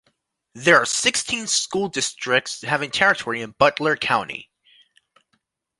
There are sixteen school districts having territory in Butler County.